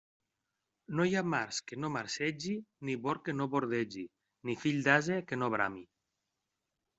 No hi ha març que no marcegi, ni bord que no bordegi, ni fill d'ase que no brami.